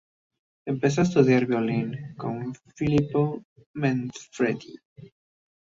Empezó a estudiar violín con Filippo Manfredi.